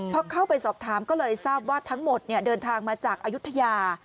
พอเข้าไปสอบถามก็เลยทราบว่าทั้งหมดเดินทางมาจากอายุทยา